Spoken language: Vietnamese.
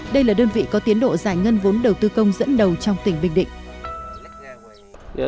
đây là đơn vị có tiến độ giải ngân vốn đầu tư công dẫn đầu